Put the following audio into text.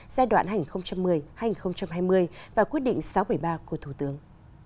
giai đoạn hành một mươi hai nghìn hai mươi và quyết định sáu trăm bảy mươi ba của thủ tướng